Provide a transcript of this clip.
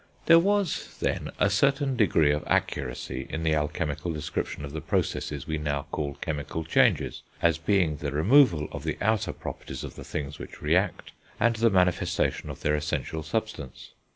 There was, then, a certain degree of accuracy in the alchemical description of the processes we now call chemical changes, as being the removal of the outer properties of the things which react, and the manifestation of their essential substance.